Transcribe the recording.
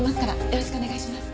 よろしくお願いします。